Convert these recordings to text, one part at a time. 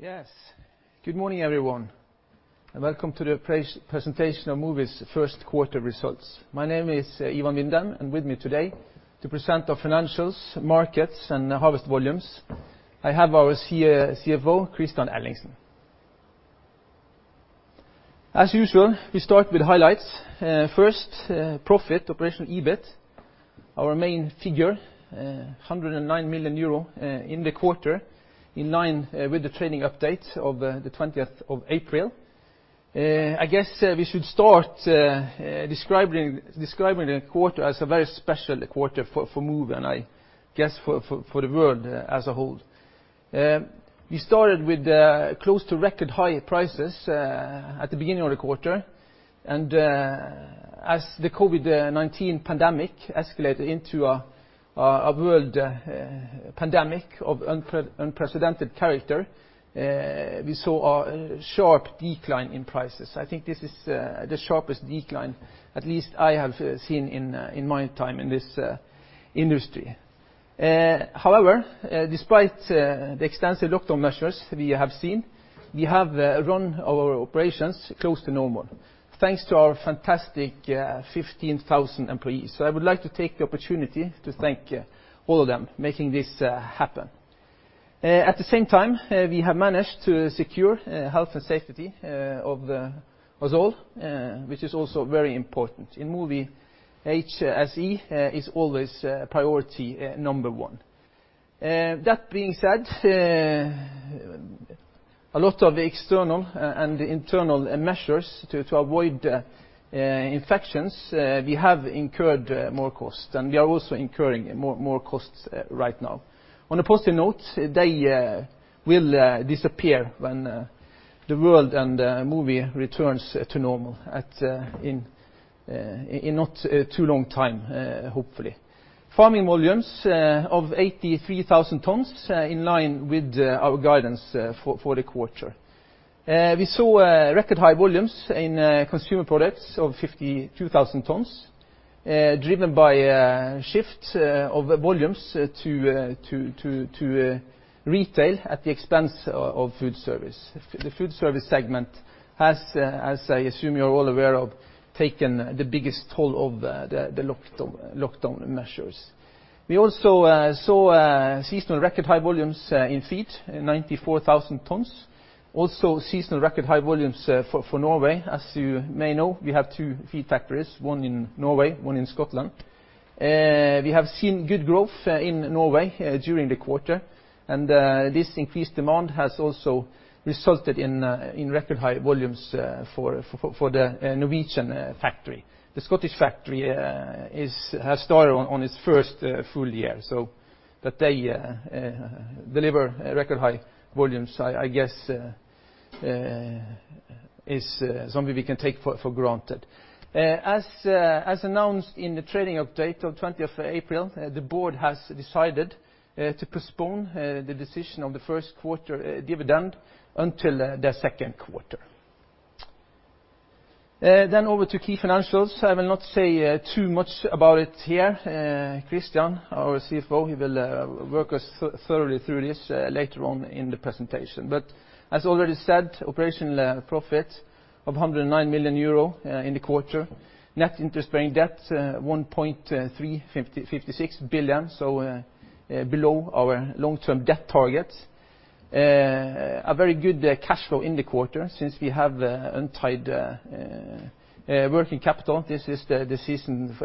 Yes. Good morning, everyone, and Welcome to the Presentation of Mowi's First Quarter Results. My name is Ivan Vindheim, and with me today to present our financials, markets, and harvest volumes, I have our CFO, Kristian Ellingsen. As usual, we start with highlights. First, profit operational EBIT, our main figure, 109 million euro in the quarter, in line with the trading update of the 20th of April. I guess we should start describing the quarter as a very special quarter for Mowi, and I guess for the world as a whole. We started with close to record high prices at the beginning of the quarter, and as the COVID-19 pandemic escalated into a world pandemic of unprecedented character, we saw a sharp decline in prices. I think this is the sharpest decline, at least I have seen in my time in this industry. However, despite the extensive lockdown measures we have seen, we have run our operations close to normal thanks to our fantastic 15,000 employees. I would like to take the opportunity to thank all of them making this happen. At the same time, we have managed to secure health and safety of us all, which is also very important. In Mowi, HSE is always priority number one. That being said, a lot of the external and internal measures to avoid infections, we have incurred more costs, and we are also incurring more costs right now. On a positive note, they will disappear when the world and Mowi returns to normal in not too long time, hopefully. Farming volumes of 83,000 tons, in line with our guidance for the quarter. We saw record high volumes in consumer products of 52,000 tons, driven by a shift of volumes to retail at the expense of food service. The food service segment has, as I assume you're all aware of, taken the biggest toll of the lockdown measures. We also saw seasonal record high volumes in feed, 94,000 tons. Also, seasonal record high volumes for Norway. As you may know, we have two feed factories, one in Norway, one in Scotland. We have seen good growth in Norway during the quarter. This increased demand has also resulted in record high volumes for the Norwegian factory. The Scottish factory has started on its first full year, so that they deliver record high volumes, I guess is something we can take for granted. As announced in the trading update of 20th of April, the board has decided to postpone the decision on the first quarter dividend until the second quarter. Over to key financials. I will not say too much about it here. Kristian, our CFO, he will walk us thoroughly through this later on in the presentation. As already said, operational profit of 109 million euro in the quarter. Net interest-bearing debt, 1.356 billion, so below our long-term debt targets. A very good cash flow in the quarter since we have untied working capital. This is the season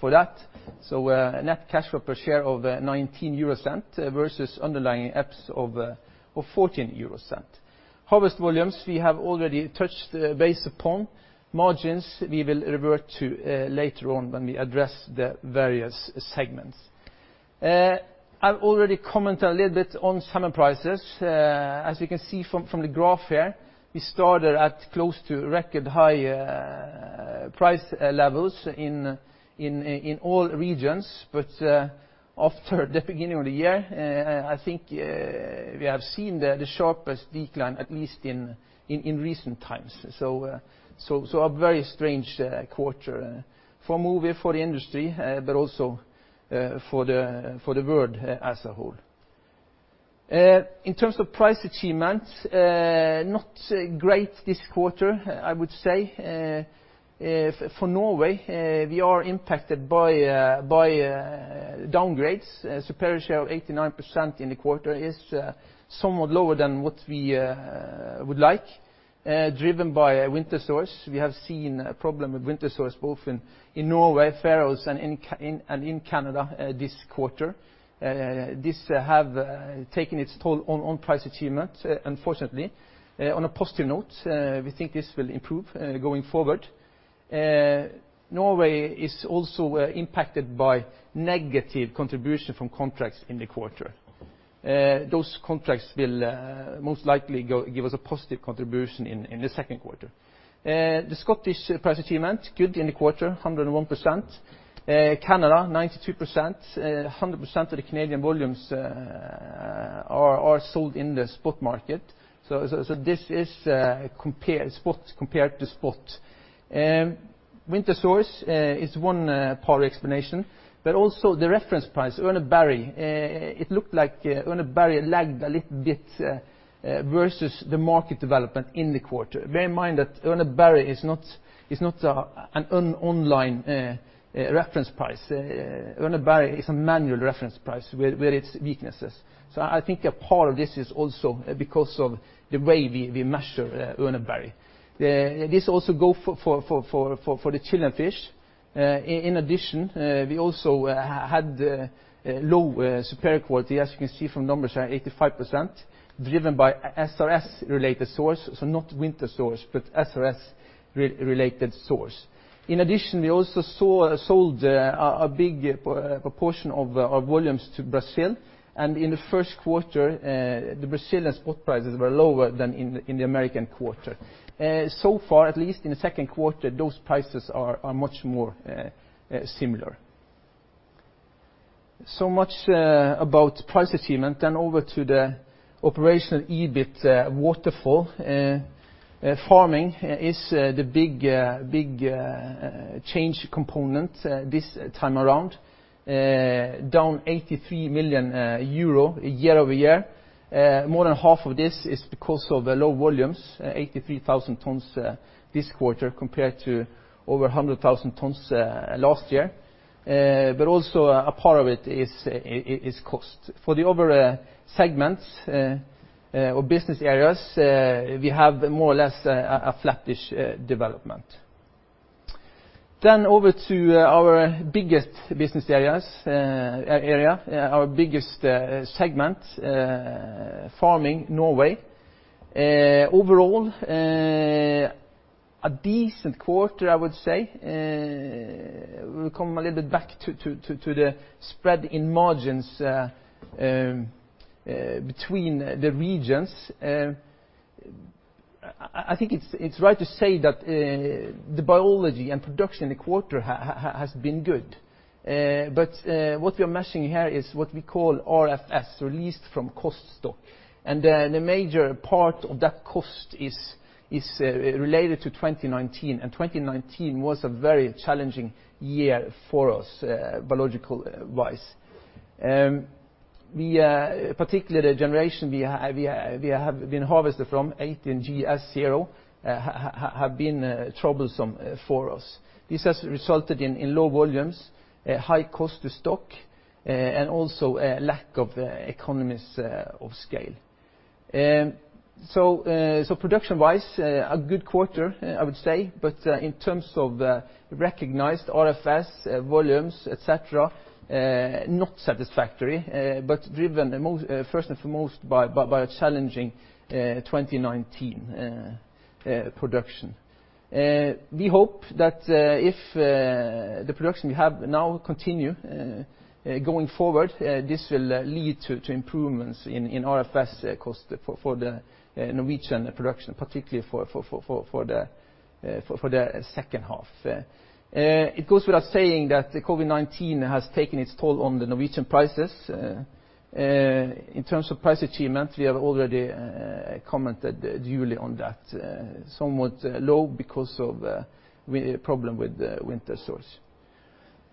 for that. Net cash flow per share of 0.19 versus underlying EPS of 0.14. Harvest volumes, we have already touched the base upon. Margins, we will revert to later on when we address the various segments. I've already commented a little bit on salmon prices. As you can see from the graph here, we started at close to record high price levels in all regions. After the beginning of the year, I think we have seen the sharpest decline, at least in recent times. A very strange quarter for Mowi, for the industry, but also for the world as a whole. In terms of price achievement, not great this quarter, I would say. For Norway, we are impacted by downgrades. Superior share of 89% in the quarter is somewhat lower than what we would like, driven by winter sores. We have seen a problem with winter sores both in Norway, Faroes, and in Canada this quarter. This have taken its toll on price achievement, unfortunately. On a positive note, we think this will improve going forward. Norway is also impacted by negative contribution from contracts in the quarter. Those contracts will most likely give us a positive contribution in the second quarter. The Scottish price achievement, good in the quarter, 101%. Canada, 92%. 100% of the Canadian volumes are sold in the spot market. This is spot compared to spot. Winter sores is one part of the explanation, also the reference price, Urner Barry. It looked like Urner Barry lagged a little bit versus the market development in the quarter. Bear in mind that Urner Barry is not an online reference price. Urner Barry is a manual reference price with its weaknesses. I think a part of this is also because of the way we measure Urner Barry. This also go for the Chilean fish. In addition, we also had low superior quality, as you can see from numbers, 85%, driven by SRS related sores, so not winter sores, but SRS related sores. In addition, we also sold a big proportion of our volumes to Brazil, and in the first quarter, the Brazilian spot prices were lower than in the American quarter. Far, at least in the second quarter, those prices are much more similar. Much about price achievement. Over to the operational EBIT waterfall. Farming is the big change component this time around, down 83 million euro year-over-year. More than half of this is because of low volumes, 83,000 tons this quarter compared to over 100,000 tons last year. Also a part of it is cost. For the other segments or business areas, we have more or less a flattish development. Over to our biggest business area, our biggest segment, Farming Norway. Overall, a decent quarter, I would say. We'll come a little bit back to the spread in margins between the regions. I think it's right to say that the biology and production in the quarter has been good. What we are measuring here is what we call RFS, released from cost stock. The major part of that cost is related to 2019, and 2019 was a very challenging year for us biological-wise. Particularly the generation we have been harvested from, 18GS0, have been troublesome for us. This has resulted in low volumes, high cost of stock, and also a lack of economies of scale. Production-wise, a good quarter, I would say, but in terms of recognized RFS volumes, et cetera, not satisfactory, but driven first and foremost by a challenging 2019 production. We hope that if the production we have now continue going forward, this will lead to improvements in RFS cost for the Norwegian production, particularly for the second half. It goes without saying that COVID-19 has taken its toll on the Norwegian prices. In terms of price achievement, we have already commented duly on that, somewhat low because of problem with winter sores.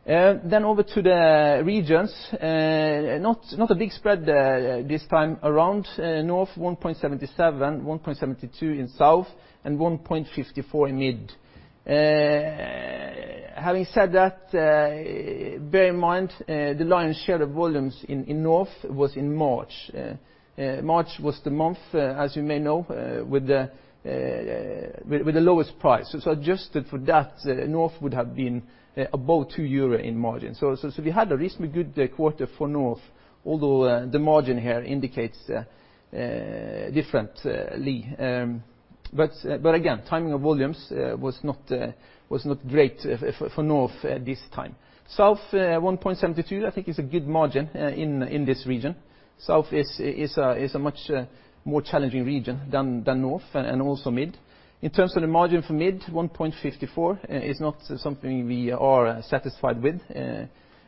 Over to the regions. Not a big spread this time around. North, 1.77, 1.72 in South, and 1.54 in Mid. Having said that, bear in mind, the lion's share of volumes in North was in March. March was the month, as you may know, with the lowest price. Adjusted for that, North would have been above 2 euro in margin. We had a reasonably good quarter for North, although the margin here indicates differently. Again, timing of volumes was not great for North this time. South, 1.72, I think is a good margin in this region. South is a much more challenging region than North and also Mid. In terms of the margin for Mid, 1.54 is not something we are satisfied with.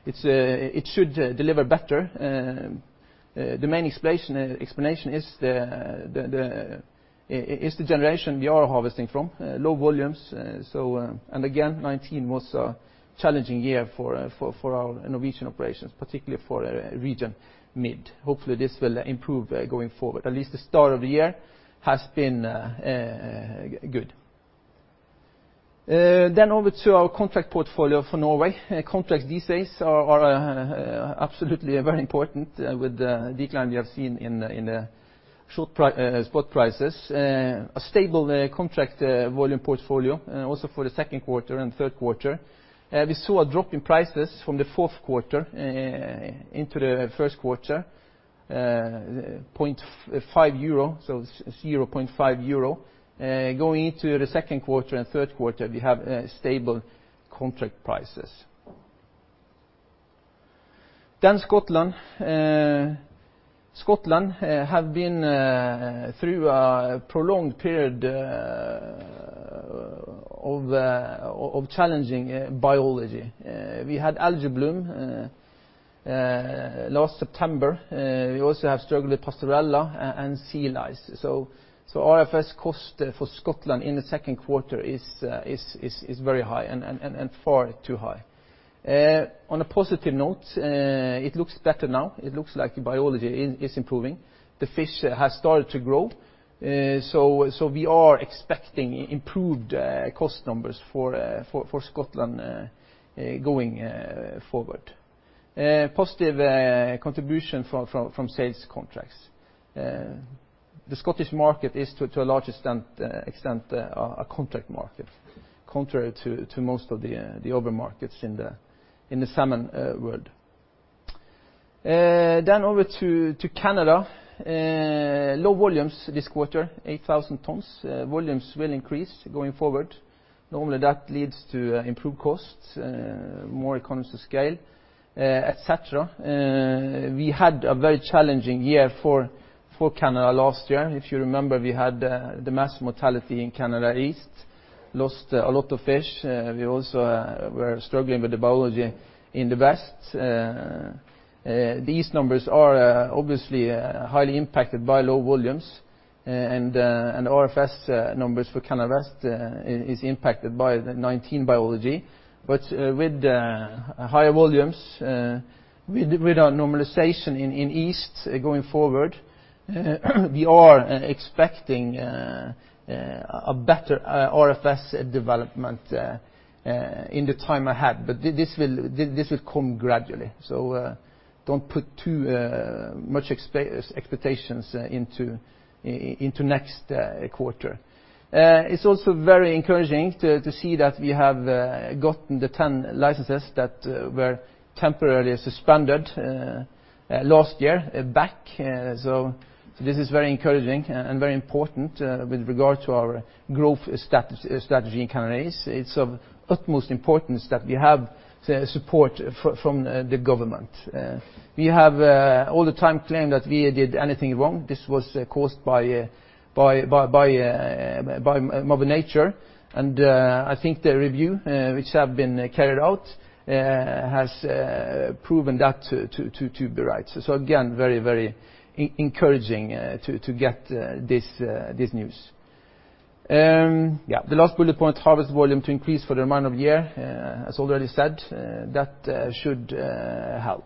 It should deliver better. The main explanation is the generation we are harvesting from, low volumes. Again, 2019 was a challenging year for our Norwegian operations, particularly for region Mid. Hopefully, this will improve going forward. At least the start of the year has been good. Over to our contract portfolio for Norway. Contracts these days are absolutely very important with the decline we have seen in the spot prices. A stable contract volume portfolio also for the second quarter and third quarter. We saw a drop in prices from the fourth quarter into the first quarter, 0.5 euro, so 0.5 euro. Going into the second quarter and third quarter, we have stable contract prices. Scotland. Scotland have been through a prolonged period of challenging biology. We had algal bloom last September, we also have struggled with Pasteurella and Sea lice. RFS cost for Scotland in the second quarter is very high and far too high. On a positive note, it looks better now. It looks like biology is improving. The fish has started to grow. We are expecting improved cost numbers for Scotland going forward. Positive contribution from sales contracts. The Scottish market is, to a large extent, a contract market, contrary to most of the other markets in the salmon world. Over to Canada. Low volumes this quarter, 8,000 tons. Volumes will increase going forward. Normally, that leads to improved costs, more economies of scale, et cetera. We had a very challenging year for Canada last year. If you remember, we had the mass mortality in Canada East, lost a lot of fish. We also were struggling with the biology in the west. These numbers are obviously highly impacted by low volumes and RFS numbers for Canada is impacted by the 2019 biology. With higher volumes, with our normalization in east going forward, we are expecting a better RFS development in the time ahead. This will come gradually, so don't put too much expectations into next quarter. It's also very encouraging to see that we have gotten the 10 licenses that were temporarily suspended last year back. This is very encouraging and very important with regard to our growth strategy in Canada East. It's of utmost importance that we have support from the government. We have all the time claimed that we did anything wrong. This was caused by mother nature, I think the review, which have been carried out, has proven that to be right. Again, very encouraging to get this news. The last bullet point, harvest volume to increase for the remainder of the year, as already said. That should help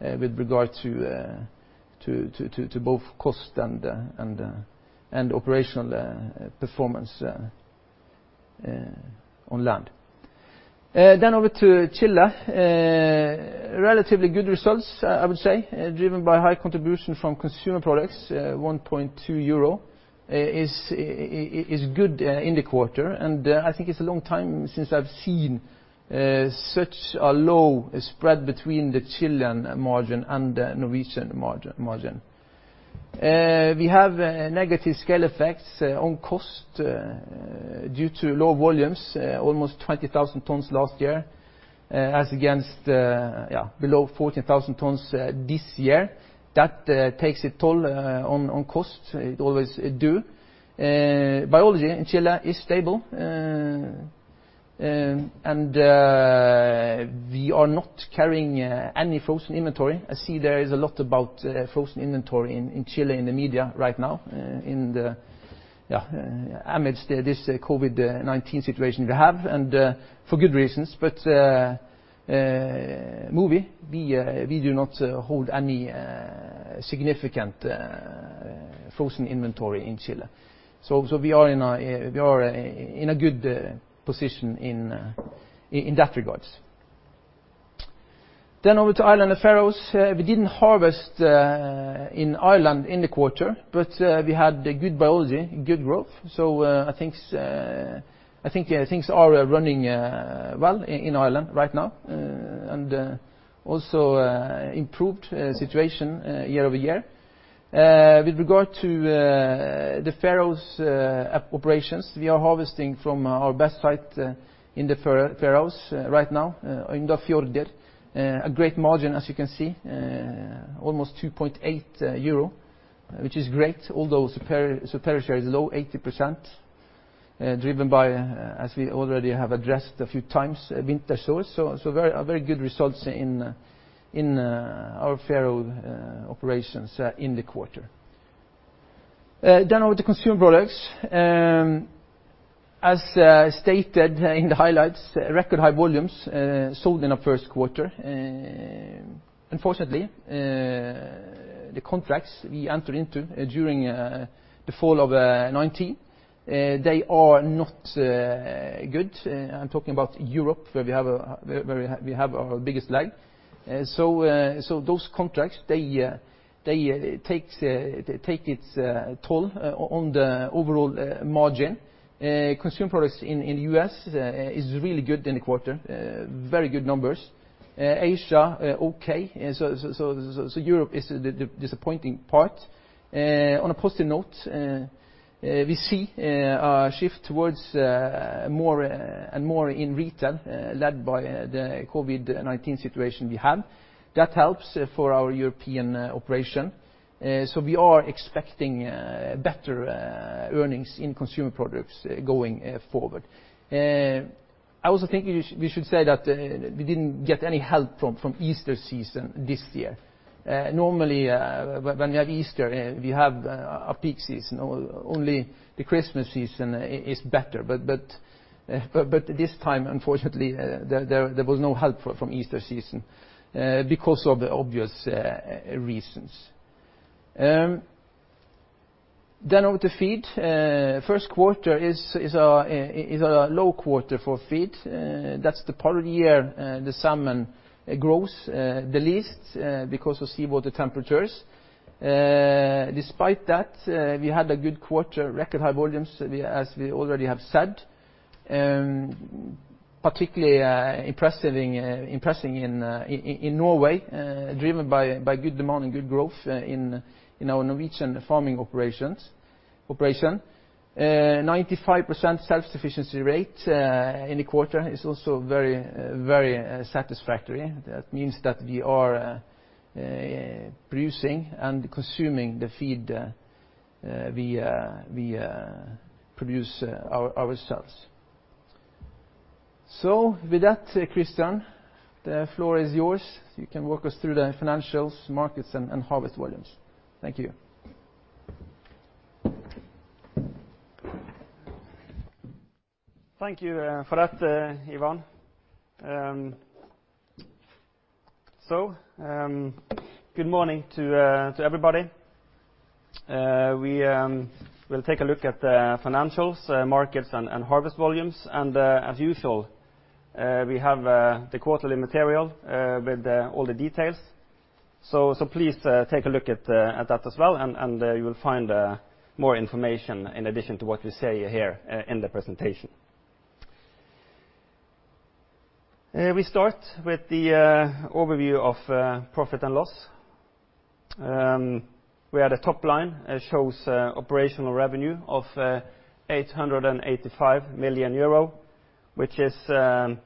with regard to both cost and operational performance on land. Over to Chile. Relatively good results, I would say, driven by high contribution from consumer products. 1.2 euro is good in the quarter, and I think it's a long time since I've seen such a low spread between the Chilean margin and the Norwegian margin. We have negative scale effects on cost due to low volumes. Almost 20,000 tons last year as against below 14,000 tons this year. That takes a toll on cost. It always do. Biology in Chile is stable, and we are not carrying any frozen inventory. I see there is a lot about frozen inventory in Chile in the media right now amidst this COVID-19 situation we have, and for good reasons. Mowi, we do not hold any significant frozen inventory in Chile. We are in a good position in that regards. Over to Ireland and Faroes. We didn't harvest in Ireland in the quarter, but we had good biology, good growth. I think things are running well in Ireland right now and also improved situation year-over-year. With regard to the Faroes operations, we are harvesting from our best site in the Faroes right now, Eiðsfjørður. A great margin as you can see, almost 2.8 euro, which is great, although superiority is low, 80%, driven by, as we already have addressed a few times, winter sores. Very good results in our Faroe operations in the quarter. Over to consumer products. As stated in the highlights, record high volumes sold in our first quarter. Unfortunately, the contracts we entered into during the fall of 2019, they are not good. I'm talking about Europe, where we have our biggest lag. Those contracts, they take its toll on the overall margin. Consumer products in U.S. is really good in the quarter. Very good numbers. Asia, okay. Europe is the disappointing part. On a positive note, we see a shift towards more and more in retail, led by the COVID-19 situation we have. That helps for our European operation. We are expecting better earnings in consumer products going forward. I also think we should say that we didn't get any help from Easter season this year. Normally, when we have Easter, we have a peak season. Only the Christmas season is better. This time, unfortunately, there was no help from Easter season because of the obvious reasons. On to feed. First quarter is a low quarter for feed. That's the part of the year the salmon grows the least because of seawater temperatures. Despite that, we had a good quarter, record high volumes, as we already have said. Particularly impressing in Norway, driven by good demand and good growth in our Norwegian farming operation. 95% self-sufficiency rate in the quarter is also very satisfactory. That means that we are producing and consuming the feed we produce ourselves. With that, Kristian, the floor is yours. You can walk us through the financials, markets, and harvest volumes. Thank you. Thank you for that, Ivan. Good morning to everybody. We'll take a look at the financials, markets, and harvest volumes. As usual, we have the quarterly material with all the details. Please take a look at that as well, and you will find more information in addition to what we say here in the presentation. We start with the overview of profit and loss, where the top line shows operational revenue of 885 million euro, which is 10%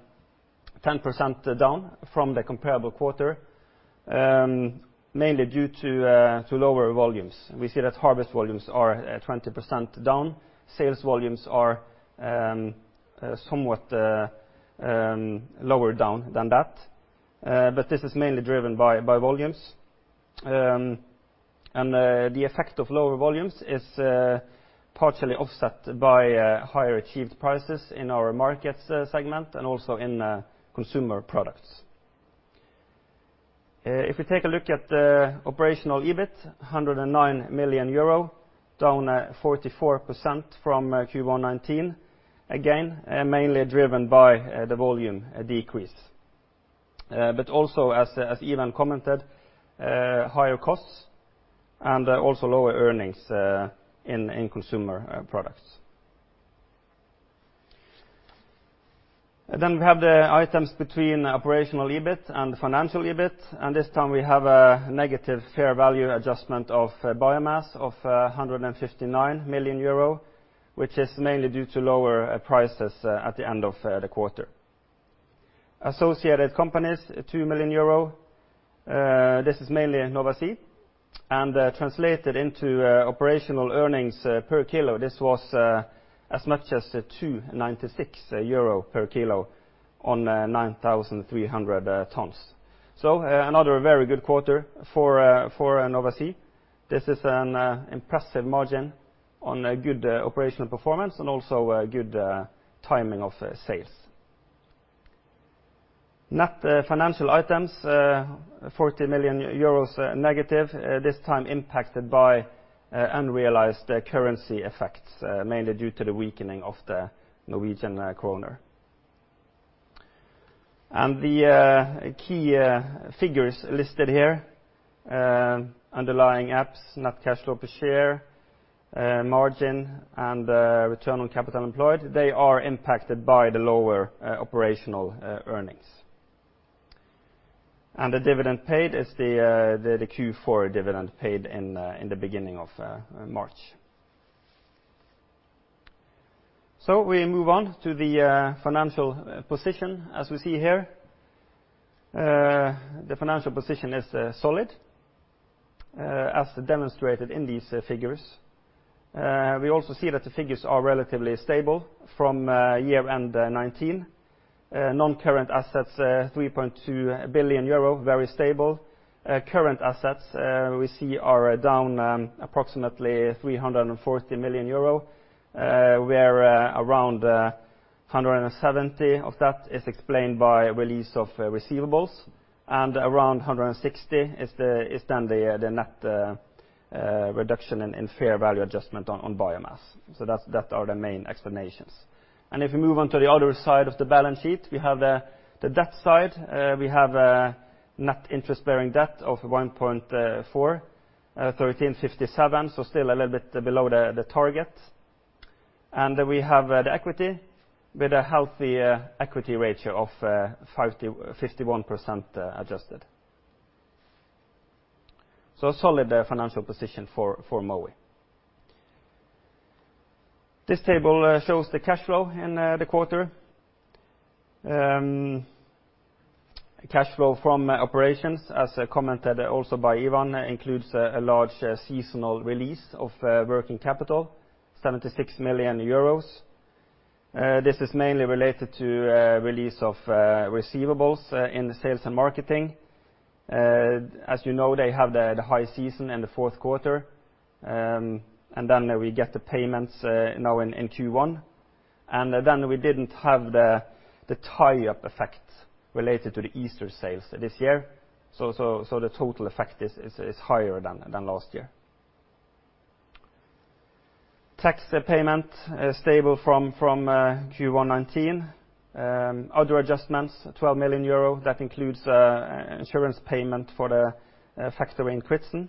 down from the comparable quarter, mainly due to lower volumes. We see that harvest volumes are 20% down. Sales volumes are somewhat lower down than that. This is mainly driven by volumes. The effect of lower volumes is partially offset by higher achieved prices in our markets segment and also in consumer products. We take a look at the operational EBIT, 109 million euro, down 44% from Q1 2019, again, mainly driven by the volume decrease. Also, as Ivan commented, higher costs and also lower earnings in consumer products. We have the items between operational EBIT and financial EBIT, this time we have a negative fair value adjustment of biomass of 159 million euro, which is mainly due to lower prices at the end of the quarter. Associated companies, 2 million euro. This is mainly Nova Sea. Translated into operational earnings per kilo, this was as much as 2.96 euro per kilo on 9,300 tons. Another very good quarter for Nova Sea. This is an impressive margin on good operational performance and also good timing of sales. Net financial items, 40 million euros negative, this time impacted by unrealized currency effects, mainly due to the weakening of the Norwegian kroner. The key figures listed here, underlying EPS, net cash flow per share, margin, and return on capital employed, they are impacted by the lower operational earnings. The dividend paid is the Q4 dividend paid in the beginning of March. We move on to the financial position. As we see here, the financial position is solid, as demonstrated in these figures. We also see that the figures are relatively stable from year-end 2019. Non-current assets, 3.2 billion euro, very stable. Current assets we see are down approximately 340 million euro, where around 170 million of that is explained by release of receivables and around 160 million is then the net reduction in fair value adjustment on biomass. That are the main explanations. If we move on to the other side of the balance sheet, we have the debt side. We have a net interest-bearing debt of 1.4 million, 1.356 million, so still a little bit below the target. We have the equity with a healthy equity ratio of 51% adjusted. A solid financial position for Mowi. This table shows the cash flow in the quarter. Cash flow from operations, as commented also by Ivan, includes a large seasonal release of working capital, 76 million euros. This is mainly related to release of receivables in the sales and marketing. As you know, they have the high season in the fourth quarter, we get the payments now in Q1. We didn't have the tie-up effect related to the Easter sales this year. The total effect is higher than last year. Tax payment is stable from Q1 2019. Other adjustments, 12 million euro. That includes insurance payment for the factory in Kritsen.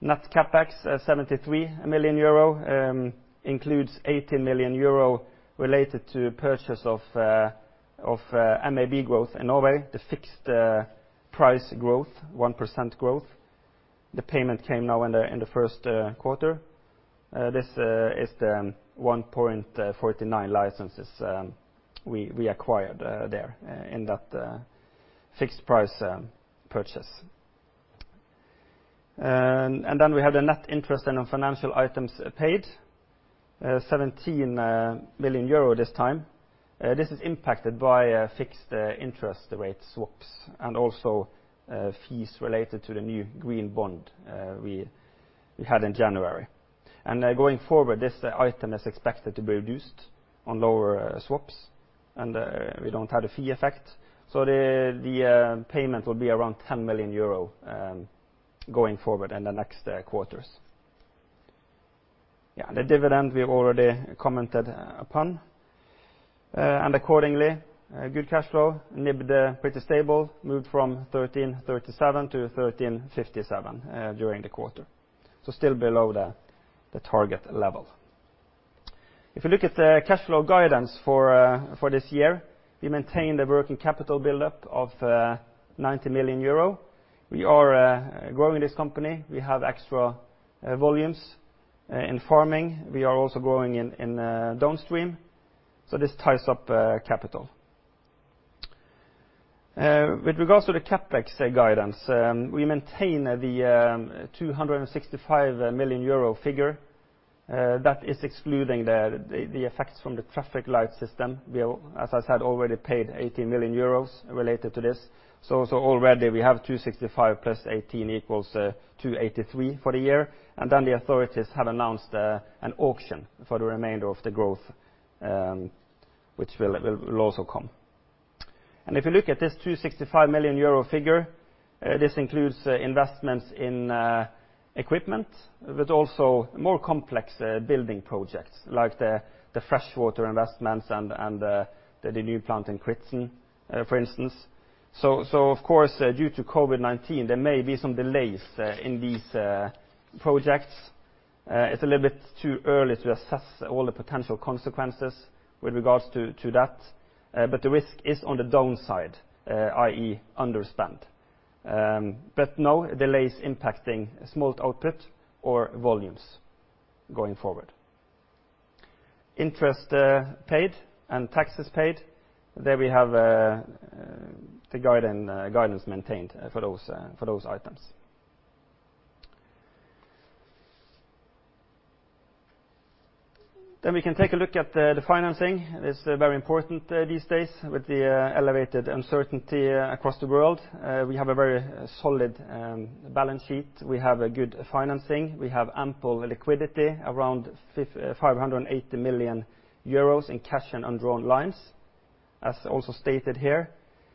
Net CapEx, 73 million euro, includes 18 million euro related to purchase of MAB growth in Norway. The fixed price growth, 1% growth. The payment came now in the first quarter. This is the 1.49 licenses we acquired there in that fixed price purchase. We have the net interest and financial items paid, 17 million euro this time. This is impacted by fixed interest rate swaps, and also fees related to the new green bond we had in January. Going forward, this item is expected to be reduced on lower swaps, and we don't have a fee effect. The payment will be around 10 million euro going forward in the next quarters. Yeah, the dividend we've already commented upon. Accordingly, good cash flow. NIBD, pretty stable. Moved from 1337 to 1357 during the quarter, so still below the target level. If you look at the cash flow guidance for this year, we maintain the working capital buildup of 90 million euro. We are growing this company. We have extra volumes in farming. We are also growing in downstream. This ties up capital. With regards to the CapEx guidance, we maintain the 265 million euro figure. That is excluding the effects from the traffic light system. We, as I said, already paid 18 million euros related to this. Already we have 265 + 18 = 283 for the year. The authorities have announced an auction for the remainder of the growth, which will also come. If you look at this 265 million euro figure, this includes investments in equipment, but also more complex building projects like the freshwater investments and the new plant in Kritsen, for instance. Of course, due to COVID-19, there may be some delays in these projects. It's a little bit too early to assess all the potential consequences with regards to that. The risk is on the downside, i.e. underspend. No delays impacting smolt output or volumes going forward. Interest paid and taxes paid, there we have the guidance maintained for those items. We can take a look at the financing. It's very important these days with the elevated uncertainty across the world. We have a very solid balance sheet. We have a good financing. We have ample liquidity, around 580 million euros in cash and undrawn lines. As also stated here,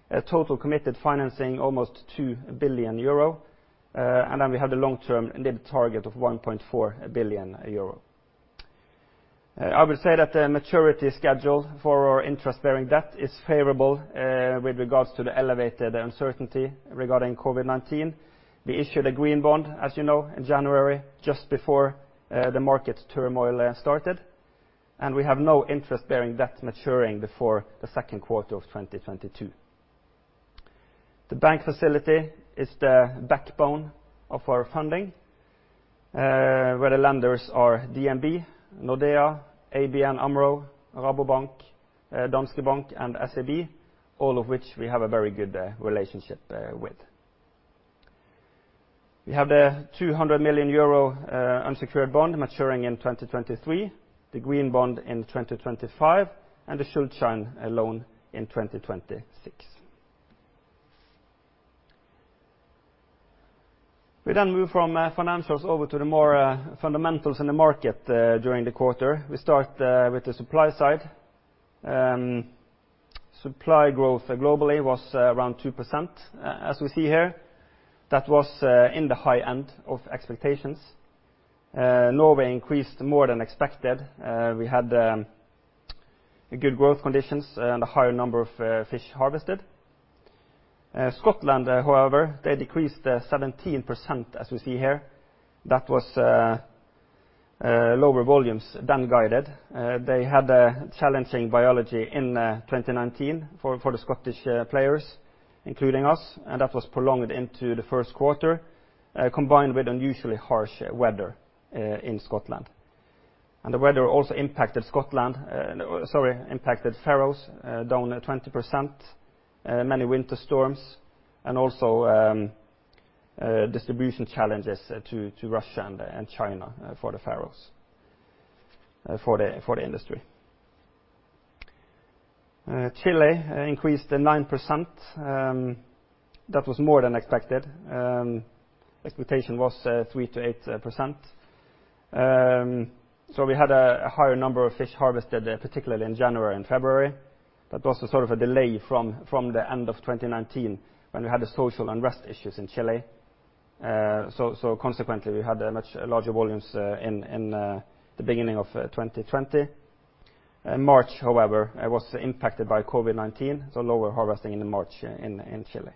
a total committed financing, almost 2 billion euro. We have the long-term net target of 1.4 billion euro. I would say that the maturity schedule for our interest-bearing debt is favorable with regards to the elevated uncertainty regarding COVID-19. We issued a green bond, as you know, in January, just before the market turmoil started. We have no interest bearing debt maturing before the second quarter of 2022. The bank facility is the backbone of our funding, where the lenders are DNB, Nordea, ABN Amro, Rabobank, Danske Bank, and SEB, all of which we have a very good relationship with. We have the 200 million euro unsecured bond maturing in 2023, the green bond in 2025, and the Schuldschein loan in 2026. We move from financials over to the more fundamentals in the market during the quarter. We start with the supply side. Supply growth globally was around 2%, as we see here. That was in the high end of expectations. Norway increased more than expected. We had good growth conditions and a higher number of fish harvested. Scotland, however, they decreased 17%, as we see here. That was lower volumes than guided. They had a challenging biology in 2019 for the Scottish players, including us, and that was prolonged into the first quarter, combined with unusually harsh weather in Scotland. The weather also impacted Scotland sorry, Faroes down 20%. Many winter storms, also distribution challenges to Russia and China for the Faroes, for the industry. Chile increased 9%. That was more than expected. Expectation was 3%-8%. We had a higher number of fish harvested, particularly in January and February. That was a delay from the end of 2019, when we had the social unrest issues in Chile. Consequently, we had much larger volumes in the beginning of 2020. March, however, was impacted by COVID-19. Lower harvesting in March in Chile.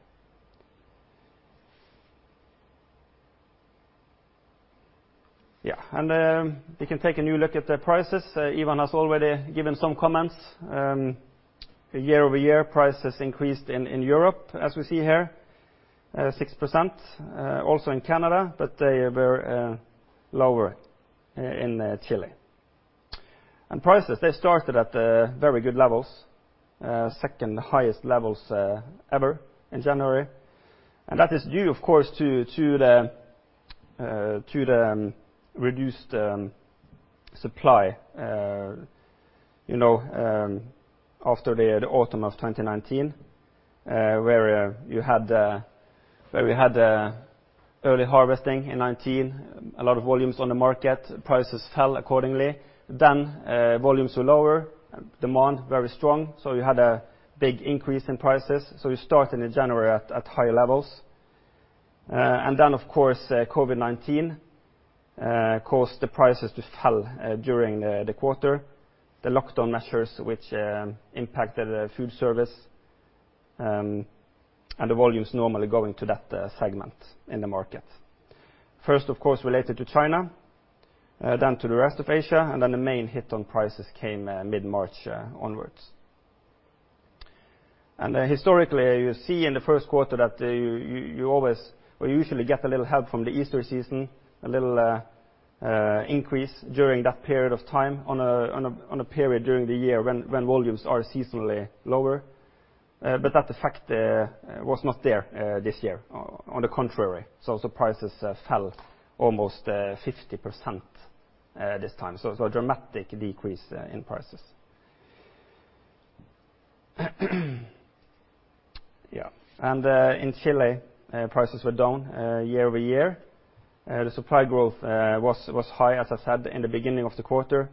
And then, we can take a new look at the prices. Ivan has already given some comments. Year-over-year prices increased in Europe, as we see here, 6%. Also in Canada, they were lower in Chile. Prices, they started at very good levels, second-highest levels ever in January. That is due, of course, to the reduced supply after the autumn of 2019, where we had the early harvesting in 2019, a lot of volumes on the market, prices fell accordingly. Volumes were lower, demand very strong, so we had a big increase in prices. We started in January at high levels. Then, of course, COVID-19 caused the prices to fall during the quarter, the lockdown measures, which impacted food service and the volumes normally going to that segment in the market. First, of course, related to China, then to the rest of Asia, the main hit on prices came mid-March onwards. Historically, you see in the first quarter that you always, or usually, get a little help from the Easter season, a little increase during that period of time, on a period during the year when volumes are seasonally lower. That effect was not there this year. On the contrary, prices fell almost 50% this time. A dramatic decrease in prices. In Chile, prices were down year-over-year. The supply growth was high, as I said, in the beginning of the quarter.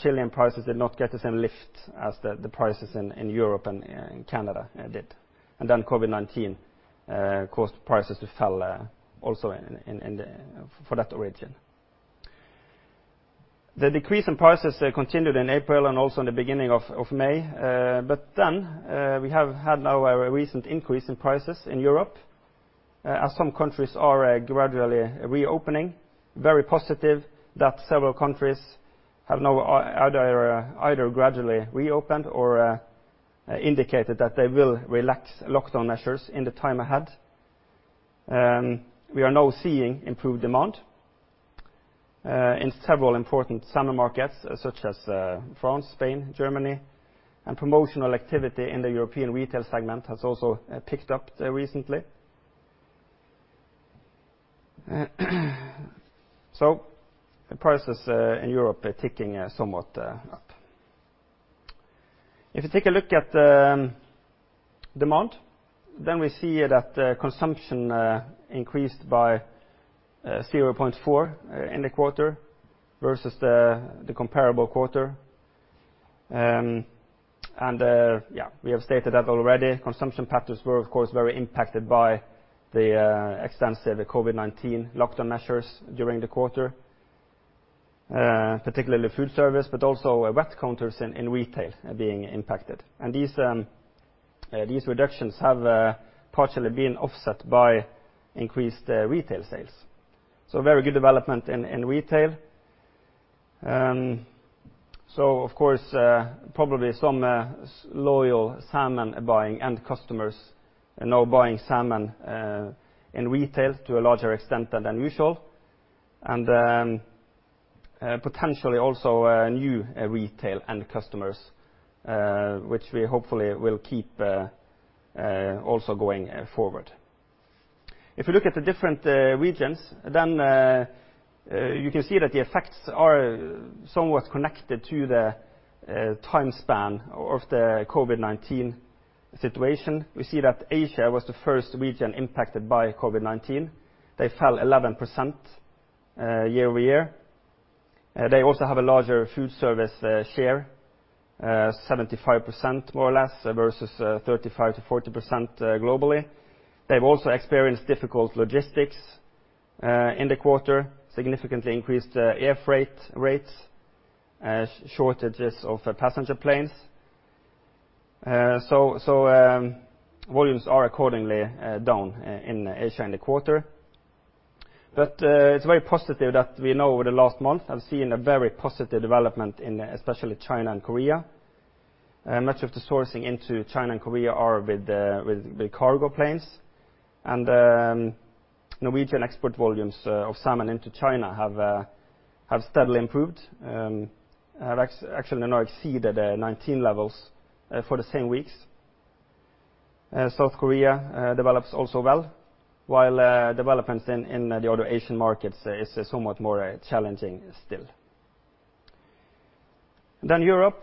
Chilean prices did not get the same lift as the prices in Europe and Canada did. COVID-19 caused prices to fall also for that origin. The decrease in prices continued in April and also in the beginning of May. We have had now a recent increase in prices in Europe, as some countries are gradually reopening. Very positive that several countries have now either gradually reopened or indicated that they will relax lockdown measures in the time ahead. We are now seeing improved demand in several important salmon markets, such as France, Spain, Germany, and promotional activity in the European retail segment has also picked up recently. The prices in Europe are ticking somewhat up. If you take a look at demand, then we see that consumption increased by 0.4 in the quarter versus the comparable quarter. Yeah, we have stated that already. Consumption patterns were, of course, very impacted by the extensive COVID-19 lockdown measures during the quarter, particularly food service, but also wet counters in retail being impacted. These reductions have partially been offset by increased retail sales. Very good development in retail. Of course, probably some loyal salmon buying end customers now buying salmon in retail to a larger extent than usual, and potentially also new retail end customers, which we hopefully will keep also going forward. If you look at the different regions, you can see that the effects are somewhat connected to the time span of the COVID-19 situation. We see that Asia was the first region impacted by COVID-19. They fell 11% year-over-year. They also have a larger food service share, 75% more or less, versus 35%-40% globally. They've also experienced difficult logistics in the quarter, significantly increased air freight rates, shortages of passenger planes. Volumes are accordingly down in Asia in the quarter. It's very positive that we know over the last month have seen a very positive development in especially China and Korea. Much of the sourcing into China and Korea are with the cargo planes. Norwegian export volumes of salmon into China have steadily improved, have actually now exceeded 2019 levels for the same weeks. South Korea develops also well, while developments in the other Asian markets is somewhat more challenging still. Europe,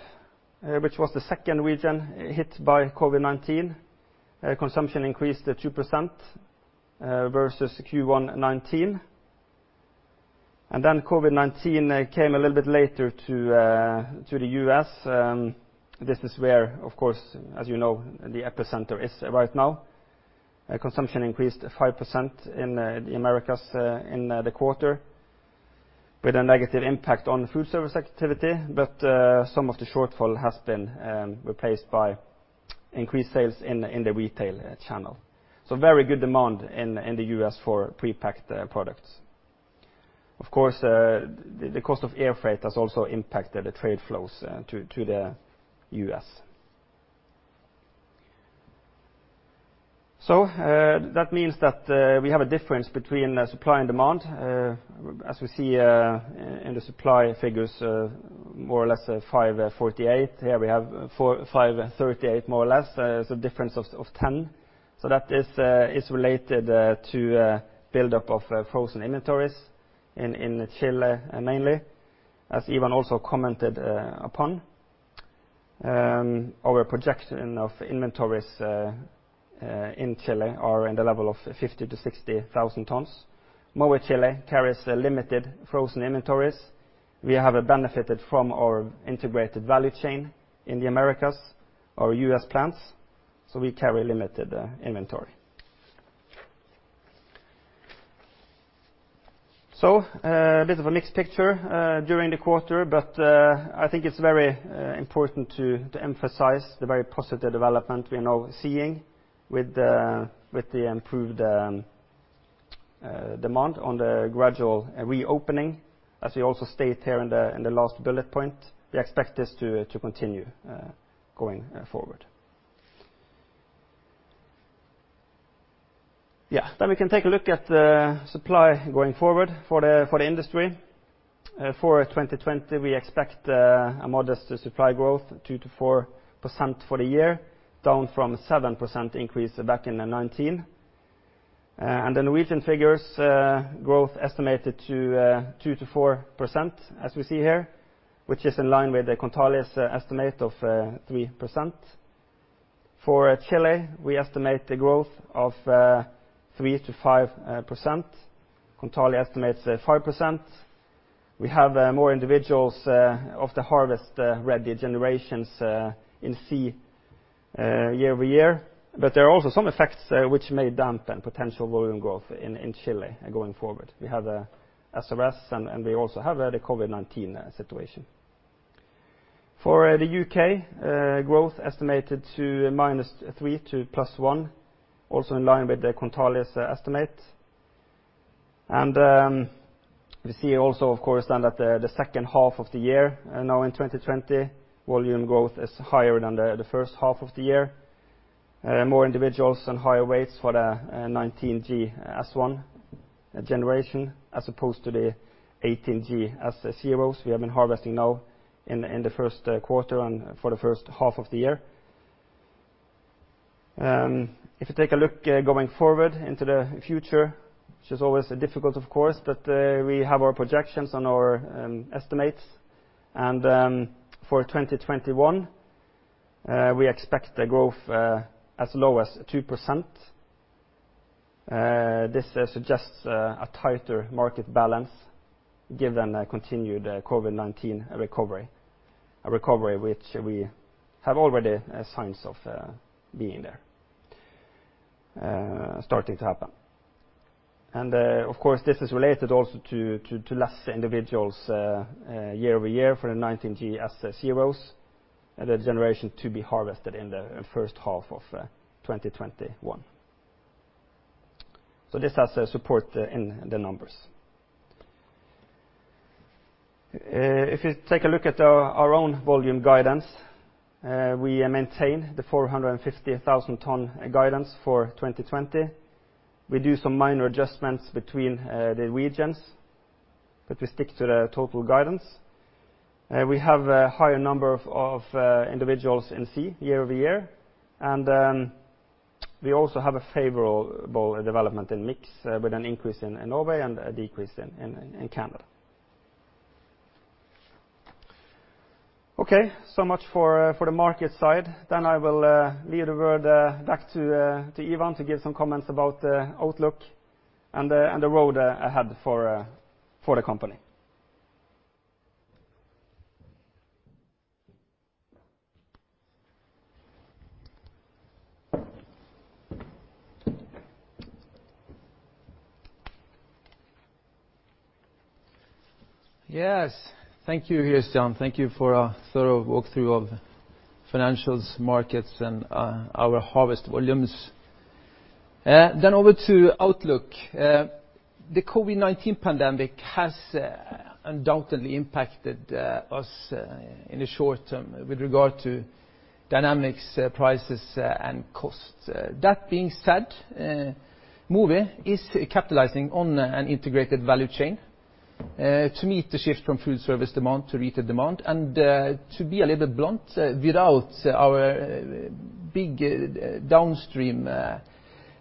which was the second region hit by COVID-19. Consumption increased 2% versus Q1 2019. COVID-19 came a little bit later to the U.S. This is where, of course, as you know, the epicenter is right now. Consumption increased 5% in the Americas in the quarter with a negative impact on food service activity. Some of the shortfall has been replaced by increased sales in the retail channel. Very good demand in the U.S. for prepacked products. Of course, the cost of air freight has also impacted the trade flows to the U.S. That means that we have a difference between supply and demand. As we see in the supply figures, more or less, 548. Here we have 538, more or less. There's a difference of 10. That is related to buildup of frozen inventories in Chile mainly, as Ivan also commented upon. Our projection of inventories in Chile are in the level of 50 to 60,000 tons. Mowi Chile carries limited frozen inventories. We have benefited from our integrated value chain in the Americas, our U.S. plants. We carry limited inventory. A bit of a mixed picture during the quarter. I think it's very important to emphasize the very positive development we are now seeing with the improved demand on the gradual reopening. As we also state here in the last bullet point, we expect this to continue going forward. Yeah. We can take a look at the supply going forward for the industry. For 2020, we expect a modest supply growth, 2%-4% for the year, down from 7% increase back in 2019. The Norwegian figures growth estimated to 2%-4%, as we see here, which is in line with the Kontali's estimate of 3%. For Chile, we estimate the growth of 3%-5%. Kontali estimates 5%. We have more individuals of the harvest-ready generations in sea year-over-year. There are also some effects which may dampen potential volume growth in Chile going forward. We have SRS, and we also have the COVID-19 situation. For the U.K., growth estimated to -3% to +1%, also in line with the Kontali's estimate. We see also, of course, then that the second half of the year now in 2020, volume growth is higher than the first half of the year. More individuals and higher weights for the 19G S1 generation as opposed to the 18G S0. We have been harvesting now in the first quarter and for the first half of the year. If you take a look going forward into the future, which is always difficult, of course, but we have our projections and our estimates. For 2021, we expect the growth as low as 2%. This suggests a tighter market balance given a continued COVID-19 recovery, a recovery which we have already signs of being there, starting to happen. Of course, this is related also to less individuals year-over-year for the 19GS0, the generation to be harvested in the first half of 2021. This has support in the numbers. If you take a look at our own volume guidance, we maintain the 450,000 ton guidance for 2020. We do some minor adjustments between the regions. We stick to the total guidance. We have a higher number of individuals in sea year-over-year. We also have a favorable development in mix with an increase in Norway and a decrease in Canada. Okay, much for the markets side. I will leave the word back to Ivan to give some comments about the outlook and the road ahead for the company. Yes. Thank you, Kristian. Thank you for a thorough walkthrough of financials, markets, and our harvest volumes. Over to outlook. The COVID-19 pandemic has undoubtedly impacted us in the short term with regard to dynamics, prices, and costs. That being said, Mowi is capitalizing on an integrated value chain to meet the shift from food service demand to retail demand. To be a little blunt, without our big downstream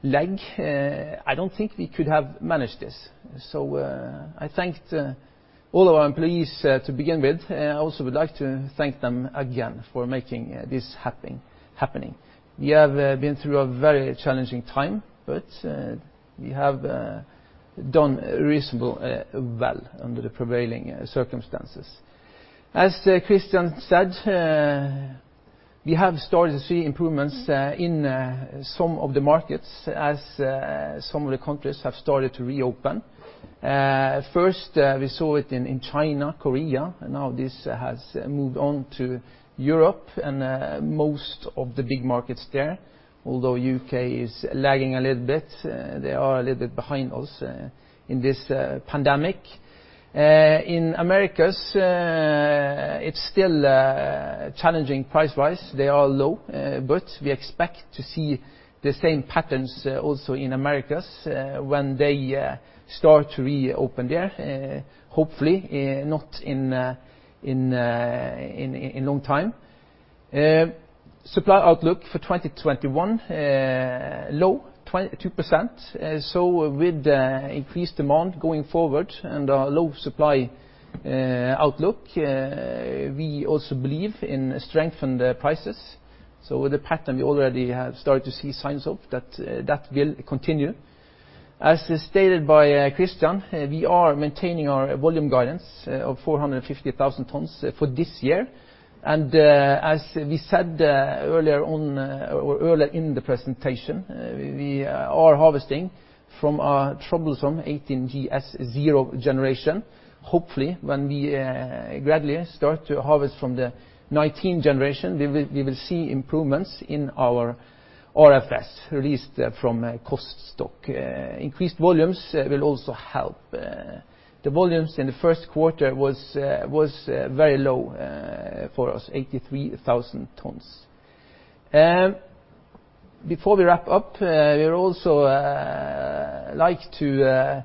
leg, I don't think we could have managed this. I thanked all of our employees to begin with. I also would like to thank them again for making this happening. We have been through a very challenging time, but we have done reasonable well under the prevailing circumstances. As Kristian said, we have started to see improvements in some of the markets as some of the countries have started to reopen. First, we saw it in China, Korea, now this has moved on to Europe and most of the big markets there, although U.K. is lagging a little bit, they are a little bit behind us in this pandemic. In Americas, it's still challenging price-wise. They are low, we expect to see the same patterns also in Americas, when they start to reopen there, hopefully not in long time. Supply outlook for 2021, low 2%. With increased demand going forward and our low supply outlook, we also believe in strengthened prices. With the pattern we already have started to see signs of, that will continue. As stated by Kristian, we are maintaining our volume guidance of 450,000 tons for this year. As we said earlier in the presentation, we are harvesting from our troublesome 18GS0 generation. Hopefully, when we gradually start to harvest from the 19 generation, we will see improvements in our RFS, released from cost stock. Increased volumes will also help. The volumes in the first quarter was very low for us, 83,000 tons. Before we wrap up, we would also like to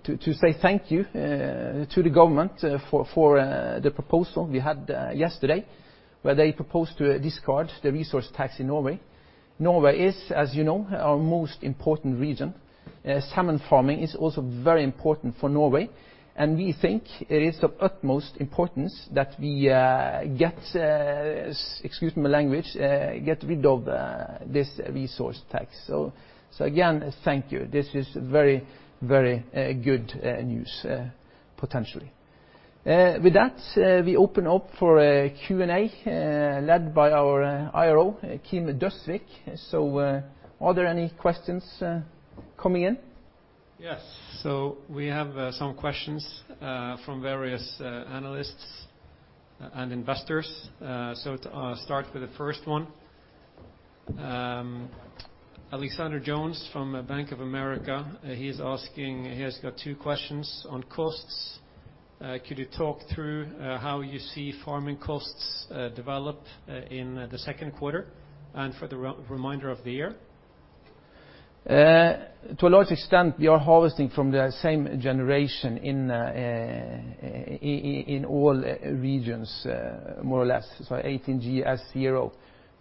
say thank you to the government for the proposal we had yesterday, where they proposed to discard the resource tax in Norway. Norway is, as you know, our most important region. Salmon farming is also very important for Norway. We think it is of utmost importance that we, excuse my language, get rid of this resource tax. Again, thank you. This is very good news, potentially. With that, we open up for Q and A, led by our IRO, Kim Døsvig. Are there any questions coming in? Yes, we have some questions from various analysts and investors. To start with the first one, Alexander Jones from Bank of America, he has got two questions on costs. Could you talk through how you see farming costs develop in the second quarter and for the remainder of the year? To a large extent, we are harvesting from the same generation in all regions, more or less. 18GS0.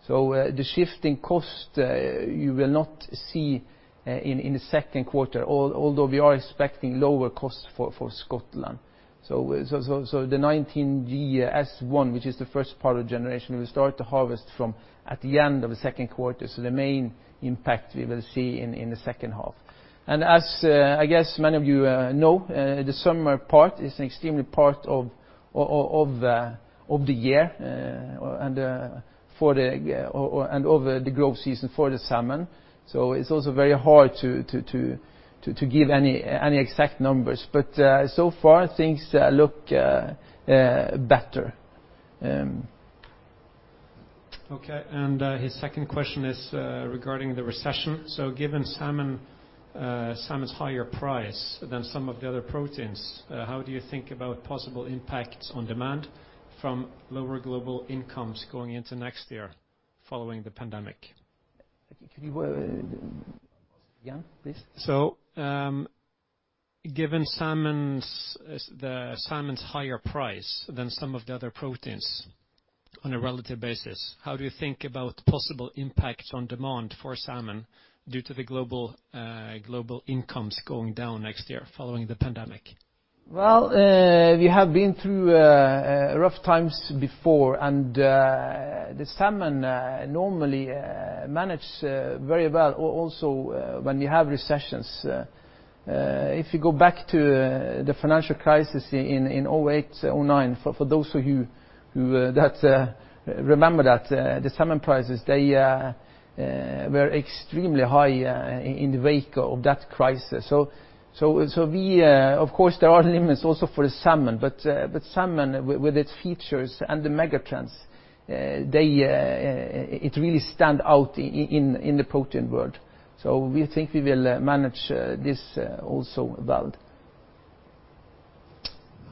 The shift in cost, you will not see in the second quarter, although we are expecting lower costs for Scotland. The 19GS1, which is the first part of generation we start to harvest from at the end of the second quarter. The main impact we will see in the second half. As, I guess, many of you know, the summer part is an extremely important part of the year and of the growth season for the salmon. It's also very hard to give any exact numbers, but so far things look better. His second question is regarding the recession. Given salmon's higher price than some of the other proteins, how do you think about possible impact on demand from lower global incomes going into next year following the pandemic? Could you repeat that again, please? Given salmon's higher price than some of the other proteins on a relative basis, how do you think about possible impact on demand for salmon due to the global incomes going down next year following the pandemic? Well, we have been through rough times before, and the salmon normally manage very well also when you have recessions. If you go back to the financial crisis in 2008, 2009, for those of you who remember that, the salmon prices, they were extremely high in the wake of that crisis. Of course, there are limits also for the salmon, but salmon with its features and the megatrends, it really stand out in the protein world. We think we will manage this also well.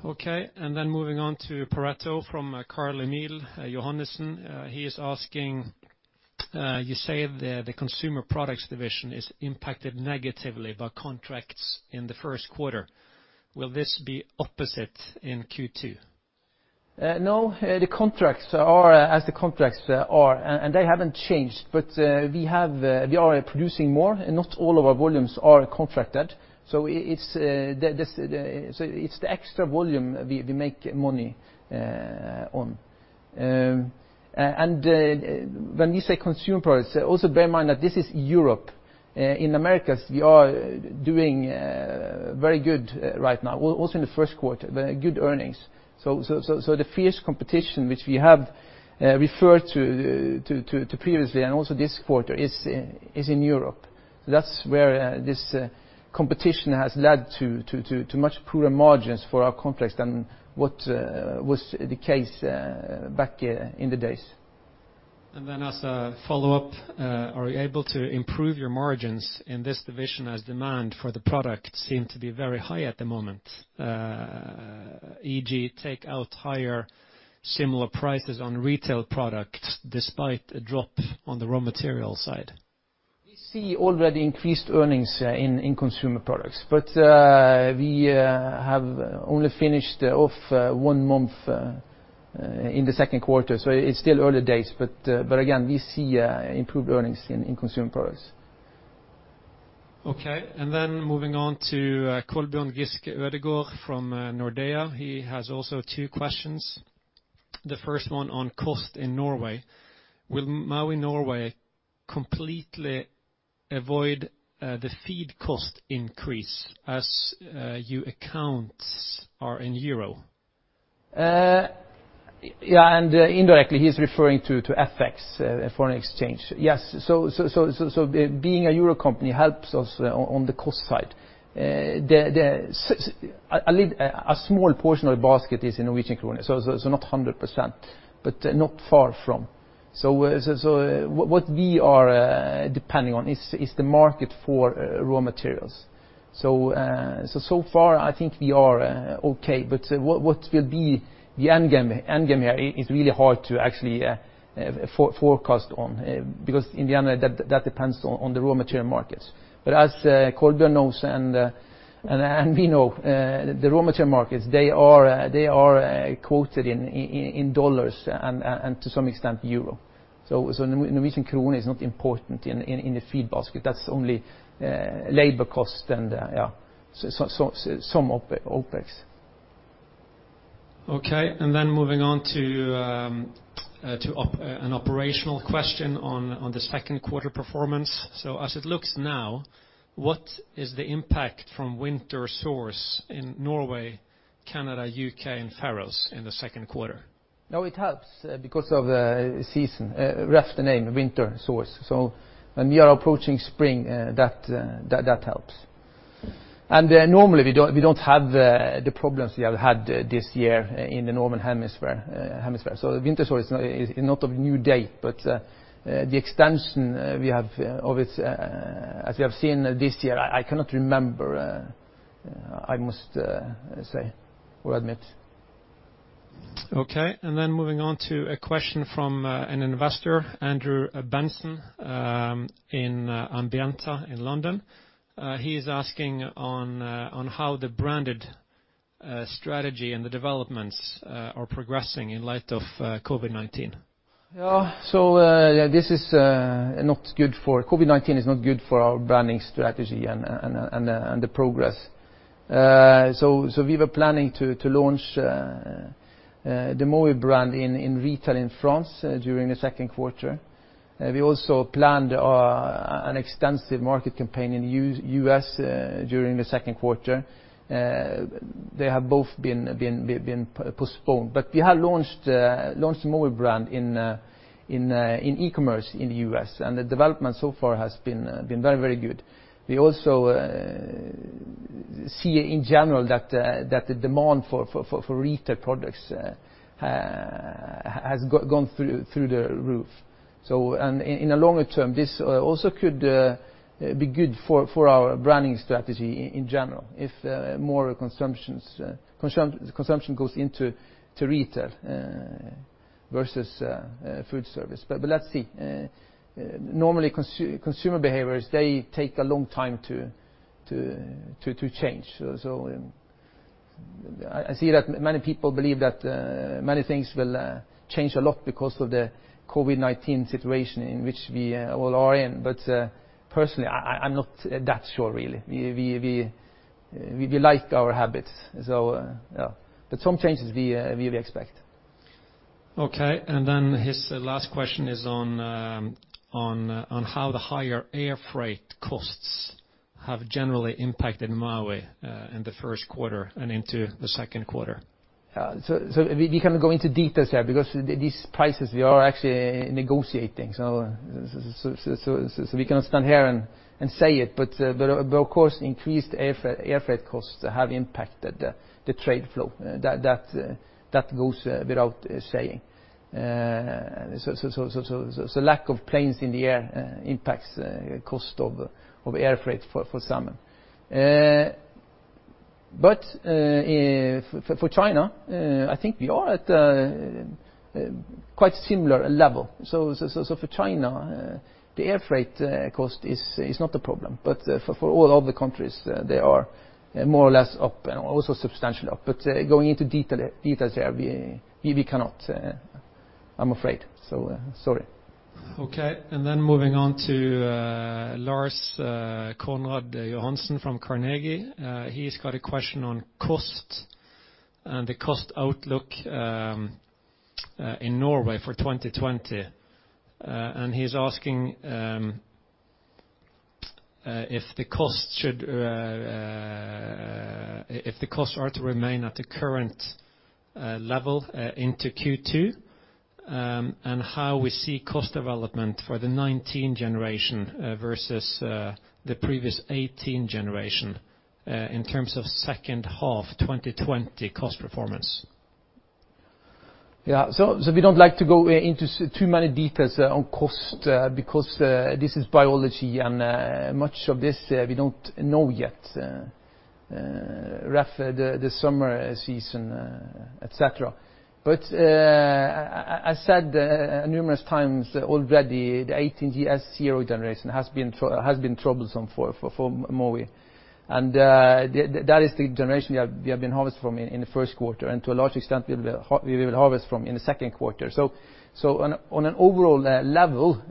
Okay, moving on to Pareto from Karl Emil Johannessen. He is asking: you say the consumer products division is impacted negatively by contracts in the first quarter. Will this be opposite in Q2? No, the contracts are as the contracts are, and they haven't changed. We are producing more and not all of our volumes are contracted. It's the extra volume we make money on. When you say consumer products, also bear in mind that this is Europe. In Americas, we are doing very good right now, also in the first quarter, very good earnings. The fierce competition, which we have referred to previously and also this quarter is in Europe. That's where this competition has led to much poorer margins for our contracts than what was the case back in the days. As a follow-up, are you able to improve your margins in this division as demand for the product seem to be very high at the moment? E.g., take out higher salmon prices on retail products despite a drop on the raw material side. We see already increased earnings in consumer products. We have only finished off one month in the second quarter. It's still early days, but again, we see improved earnings in consumer products. Okay. Moving on to Kolbjørn Giskeødegaard from Nordea. He has also two questions. The first one on cost in Norway. Will Mowi Norway completely avoid the feed cost increase as your accounts are in euro? Yeah, indirectly he's referring to FX, foreign exchange. Yes. Being a euro company helps us on the cost side. A small portion of the basket is Norwegian kroner. Not 100%, but not far from. What we are depending on is the market for raw materials. So far I think we are okay, but what will be the end game here is really hard to actually forecast on, because in the end, that depends on the raw material markets. As Kolbjørn knows and we know, the raw material markets, they are quoted in dollars and to some extent euro. The Norwegian krone is not important in the feed basket. That's only labor cost and, yeah, some OpEx. Moving on to an operational question on the second quarter performance. As it looks now, what is the impact from winter sores in Norway, Canada, U.K., and Faroes in the second quarter? It helps because of the season, rough the name winter sores. When we are approaching spring, that helps. Normally we don't have the problems we have had this year in the Northern Hemisphere. Winter sores is not of new date, but the extension we have of it, as we have seen this year, I cannot remember, I must say or admit. Okay, moving on to a question from an investor, Andrew Benson, in Ambienta in London. He's asking on how the branded strategy and the developments are progressing in light of COVID-19. Yeah. This is not good for COVID-19 is not good for our branding strategy and the progress. We were planning to launch the Mowi brand in retail in France during the second quarter. We also planned an extensive market campaign in the U.S. during the second quarter. They have both been postponed, but we have launched the Mowi brand in e-commerce in the U.S. and the development so far has been very good. We also see in general that the demand for retail products has gone through the roof. In the longer term, this also could be good for our branding strategy in general, if more consumption goes into retail versus food service. Let's see. Normally consumer behaviors, they take a long time to change. I see that many people believe that many things will change a lot because of the COVID-19 situation in which we all are in. Personally, I'm not that sure really. We like our habits. Yeah. Some changes we expect. Okay, his last question is on how the higher air freight costs have generally impacted Mowi in the first quarter and into the second quarter. Yeah. We cannot go into details here because these prices, we are actually negotiating. We cannot stand here and say it, of course, increased air freight costs have impacted the trade flow. That goes without saying. Lack of planes in the air impacts cost of air freight for salmon. For China, I think we are at quite similar level. For China, the airfreight cost is not a problem. For all other countries, they are more or less up and also substantially up. Going into details there, we cannot, I'm afraid. Sorry. Okay. Moving on to Lars Konrad Johnsen from Carnegie. He's got a question on cost and the cost outlook in Norway for 2020. He's asking if the costs are to remain at the current level into Q2, and how we see cost development for the 19 generation versus the previous 18 generation in terms of second half 2020 cost performance. We don't like to go into too many details on cost because this is biology and much of this we don't know yet, the summer season, et cetera. I said numerous times already, the 18GS0 has been troublesome for Mowi. That is the generation we have been harvest from in the first quarter, and to a large extent, we will harvest from in the second quarter. On an overall level,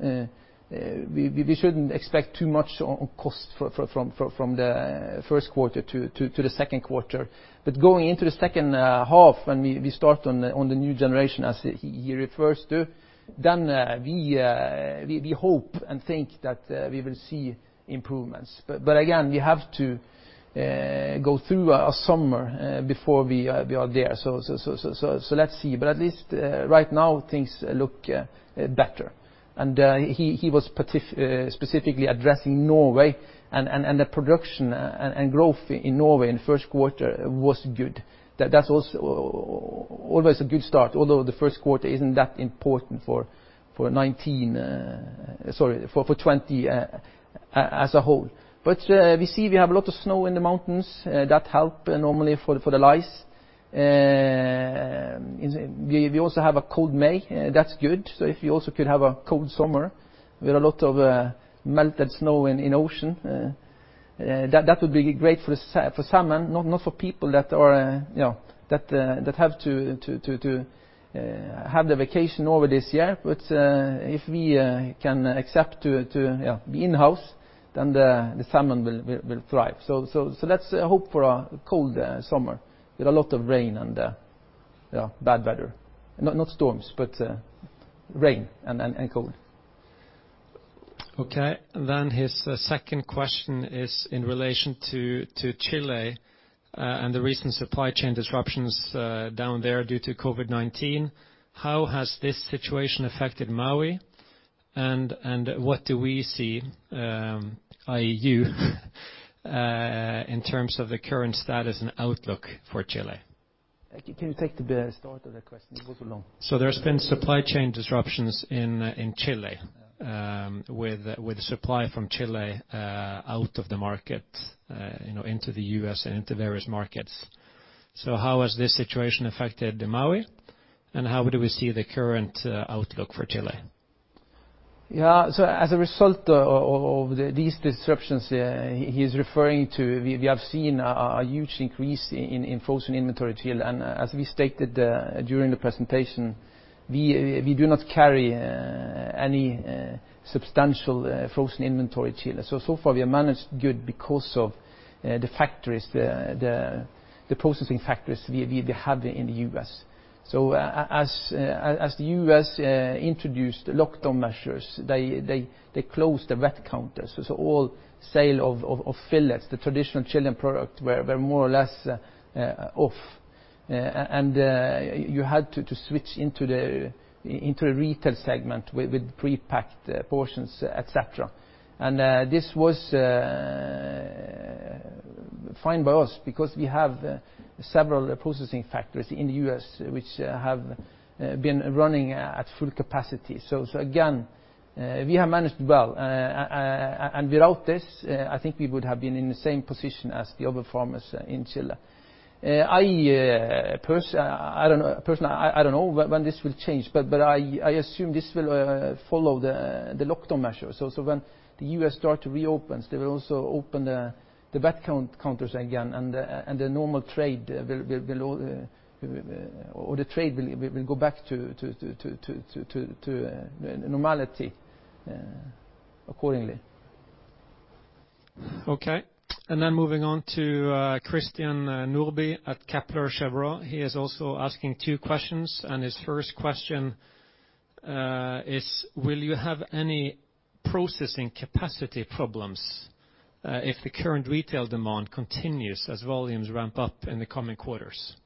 we shouldn't expect too much on cost from the first quarter to the second quarter. Going into the second half, when we start on the new generation as he refers to, then we hope and think that we will see improvements. Again, we have to go through a summer before we are there. Let's see. At least right now things look better. He was specifically addressing Norway and the production and growth in Norway in the first quarter was good. That's always a good start, although the first quarter isn't that important for 2019, sorry, for 2020 as a whole. We see we have a lot of snow in the mountains that help normally for the lice. We also have a cold May, that's good. If we also could have a cold summer with a lot of melted snow in ocean, that would be great for salmon, not for people that have to have their vacation over this year. If we can accept to be in-house, the salmon will thrive. Let's hope for a cold summer with a lot of rain and bad weather, not storms, but rain and cold. Okay. His second question is in relation to Chile and the recent supply chain disruptions down there due to COVID-19. How has this situation affected Mowi and what do we see, i.e you, in terms of the current status and outlook for Chile? Can you take the start of the question? It goes along. There's been supply chain disruptions in Chile, with supply from Chile out of the market into the U.S. and into various markets. How has this situation affected the Mowi, and how do we see the current outlook for Chile? Yeah. As a result of these disruptions he's referring to, we have seen a huge increase in frozen inventory Chile. As we stated during the presentation, we do not carry any substantial frozen inventory Chile. Far we have managed good because of the factories, the processing factories we have in the U.S. As the U.S. introduced lockdown measures, they closed the wet counters. All sale of fillets, the traditional Chilean product, were more or less off. You had to switch into a retail segment with prepacked portions, et cetera. This was fine by us because we have several processing factories in the U.S. which have been running at full capacity. Again, we have managed well. Without this, I think we would have been in the same position as the other farmers in Chile. Personally, I don't know when this will change, but I assume this will follow the lockdown measures. When the U.S. start to reopen, they will also open the wet counters again, and the trade will go back to normality accordingly. Okay. Moving on to Christian Nordby at Kepler Cheuvreux. He is also asking two questions. His first question is, will you have any processing capacity problems if the current retail demand continues as volumes ramp up in the coming quarters?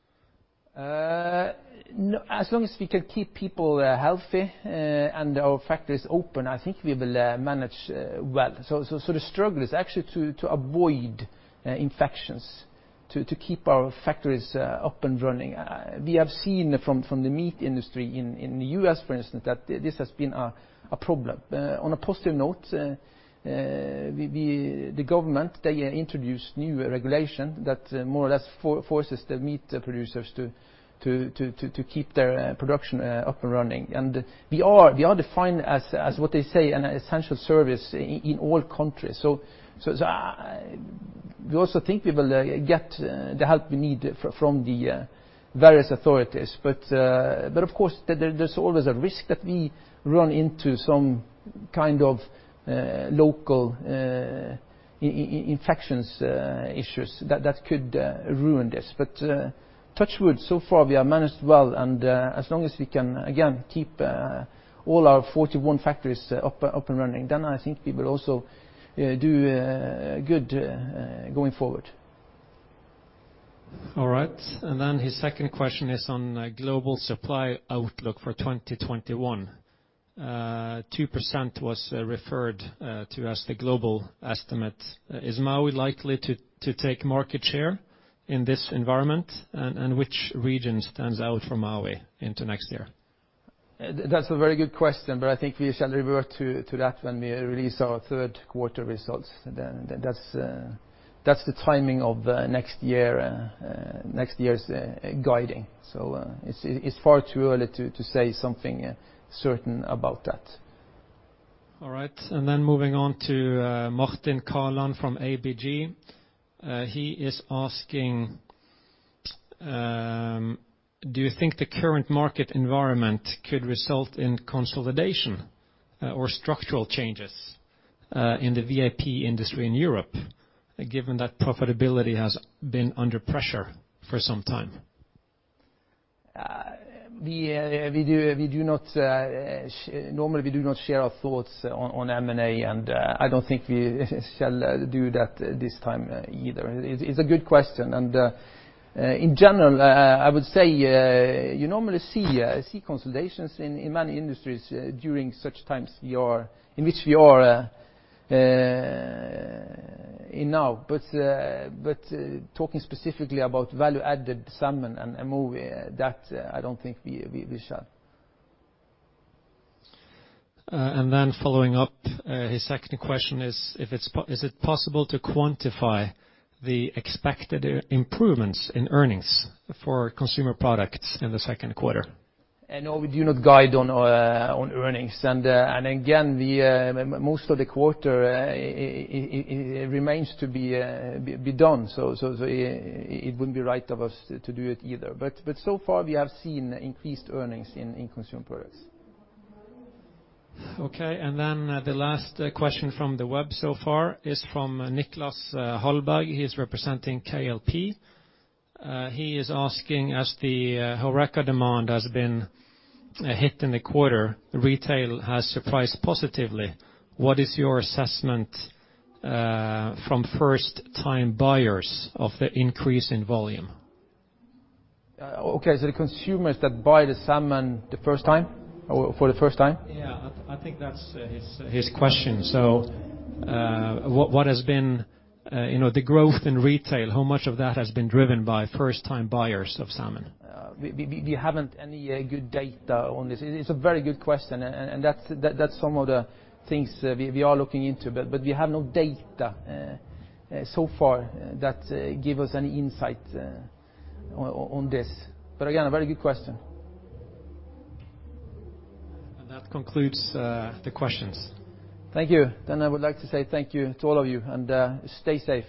As long as we can keep people healthy and our factories open, I think we will manage well. The struggle is actually to avoid infections, to keep our factories up and running. We have seen from the meat industry in the U.S., for instance, that this has been a problem. On a positive note, the government introduced new regulation that more or less forces the meat producers to keep their production up and running. We are defined as what they say, an essential service in all countries. We also think we will get the help we need from the various authorities. Of course, there's always a risk that we run into some kind of local infections issues that could ruin this. Touch wood, so far, we have managed well, and as long as we can, again, keep all our 41 factories up and running, then I think we will also do good going forward. All right. His second question is on global supply outlook for 2021. 2% was referred to as the global estimate. Is Mowi likely to take market share in this environment? Which region stands out for Mowi into next year? That's a very good question, but I think we shall revert to that when we release our third quarter results, then that's the timing of next year's guiding. It's far too early to say something certain about that. All right. Moving on to Martin Callan from ABG. He is asking, do you think the current market environment could result in consolidation or structural changes in the VAP industry in Europe, given that profitability has been under pressure for some time? Normally we do not share our thoughts on M&A, and I don't think we shall do that this time either. It's a good question, and in general, I would say, you normally see consolidations in many industries during such times in which we are in now. Talking specifically about value-added salmon and Mowi, that I don't think we shall. Following up, his second question is it possible to quantify the expected improvements in earnings for consumer products in the second quarter? No, we do not guide on earnings. Again, most of the quarter remains to be done. It wouldn't be right of us to do it either. So far, we have seen increased earnings in consumer products. The last question from the web so far is from Nicholas Holberg. He's representing KLP. He is asking, as the HoReCa demand has been hit in the quarter, retail has surprised positively. What is your assessment from first-time buyers of the increase in volume? Okay, the consumers that buy the salmon for the first time? Yeah, I think that's his question. What has been the growth in retail? How much of that has been driven by first-time buyers of salmon? We haven't any good data on this. It's a very good question. That's some of the things we are looking into. We have no data so far that give us any insight on this. Again, a very good question. That concludes the questions. Thank you. I would like to say thank you to all of you, and stay safe.